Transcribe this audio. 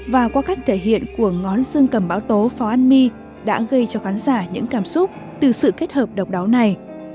và qua cách thể hiện của ngón dương cầm báo tố phó an my đã gây cho khán giả những cảm xúc từ sự kết hợp độc đáo này